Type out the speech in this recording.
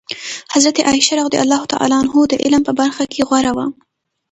حضرت عایشه رضي الله عنها د علم په برخه کې غوره وه.